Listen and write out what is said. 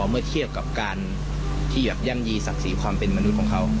เมื่อเทียบกับการที่ย่ำยีศักดิ์ศรีความเป็นมนุษย์ของเขา